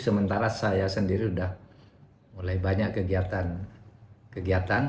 sementara saya sendiri sudah mulai banyak kegiatan kegiatan